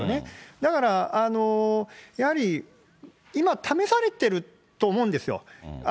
だから、やはり今、試されてると思うんですよ。